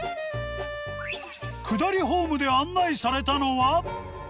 下りホームで案内されたのは。